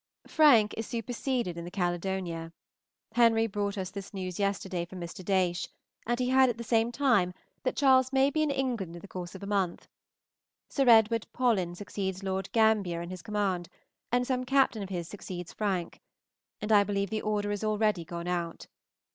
_ Frank is superseded in the "Caledonia." Henry brought us this news yesterday from Mr. Daysh, and he heard at the same time that Charles may be in England in the course of a month. Sir Edward Pollen succeeds Lord Gambier in his command, and some captain of his succeeds Frank; and I believe the order is already gone out.